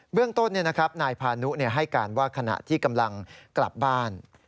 เรื่องต้นนายพานุให้การว่าขณะที่กำลังกลับบ้าน